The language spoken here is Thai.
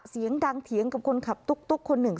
เสียงดังเถียงกับคนขับตุ๊กคนหนึ่ง